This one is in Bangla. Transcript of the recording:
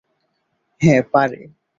হ্যাঁ, পারে।